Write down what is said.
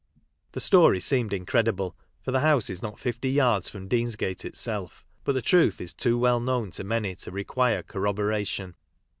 , The story seemed incredible, for the house is not fifty yards from Deansgate itself, but the truth is too well known to many to require corroboration.